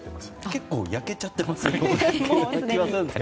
結構焼けちゃってますよね。